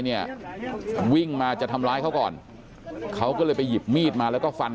เนี่ยวิ่งมาจะทำร้ายเขาก่อนเขาก็เลยไปหยิบมีดมาแล้วก็ฟัน